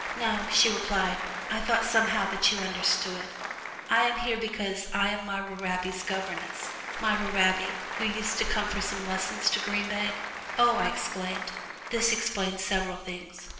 "No," she replied; "I thought somehow that you understood. I am here because I am Myra Raby's governess Myra Raby, who used to come for some lessons to Green Bank." "Oh!" I exclaimed. This explained several things.